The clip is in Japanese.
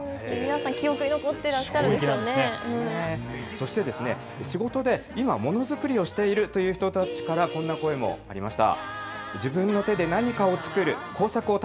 そして仕事で今、ものづくりをしているという人たちからこんな声もありました。